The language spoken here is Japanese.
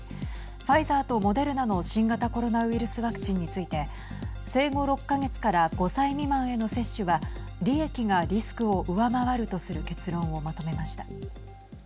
ファイザーとモデルナの新型コロナウイルスワクチンについて生後６か月から５歳未満への接種は利益がリスクを上回るとする結論をまとめました。